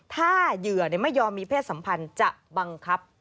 ถ้าเหยื่อไม่ยอมมีเพศสัมพันธ์จะบังคับ